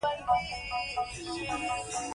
ده وويل پيدا به شي.